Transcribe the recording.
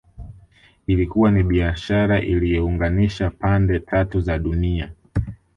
Ilikuwa ni biashara iliyounganisha pande tatu za dunia